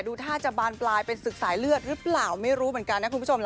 ดูท่าจะบานปลายเป็นศึกสายเลือดหรือเปล่าไม่รู้เหมือนกันนะคุณผู้ชม